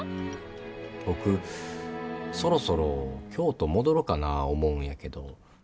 僕そろそろ京都戻ろかな思うんやけど。